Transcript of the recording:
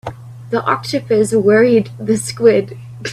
The octopus worried the squid.